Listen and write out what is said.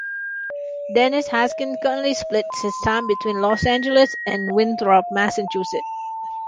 Dennis Haskins currently splits his time between Los Angeles and Winthrop, Massachusetts.